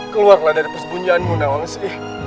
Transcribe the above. keluarlah dari persembunyianmu nawangsi